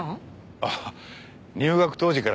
えっ入学当時から？